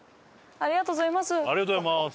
ありがとうございます。